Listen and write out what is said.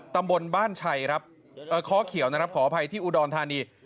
ตำบลบ้านชัยครับคอเขียวนะครับขออภัยที่อุดรธานี